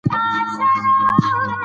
ایا تاسې د خپل هېواد جغرافیه پېژنئ؟